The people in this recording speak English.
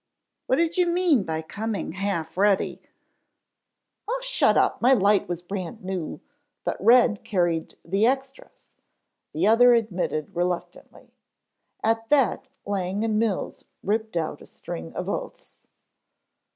What did you mean by coming half ready " "Aw shut up, my light was brand new, but Red carried the extras," the other admitted reluctantly. At that Lang and Mills ripped out a string of oaths.